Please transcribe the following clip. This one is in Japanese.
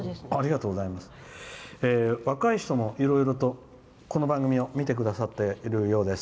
若い人もいろいろと、この番組を見てくださっているようです。